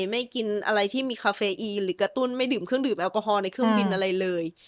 ไม่กินอะไรที่มีคาเฟอีหรือกระตุ้นไม่ดื่มเครื่องดื่มแอลกอฮอลในเครื่องบินอะไรเลย